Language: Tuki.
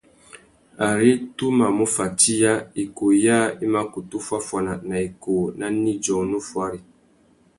Ari tu mà mù fatiya, ikūh yâā i mà kutu fuáffuana nà ikūh nà nidjô unú fuári.